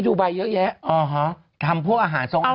อึกอึกอึก